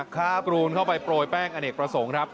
ค้าบรูนเข้าไปโปรยแป้งอเนกประสงค์ครับ